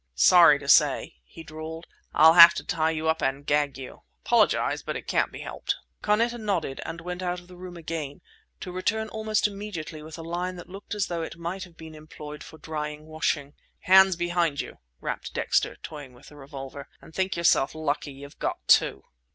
"Sorry to say," he drawled, "I'll have to tie you up and gag you. Apologize; but it can't be helped." Carneta nodded and went out of the room again, to return almost immediately with a line that looked as though it might have been employed for drying washing. "Hands behind you," rapped Dexter, toying with the revolver—"and think yourself lucky you've got two!"